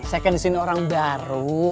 sekarang disini orang baru